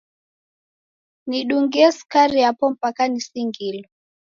Nidungie sukari yapo mpaka nisingilo!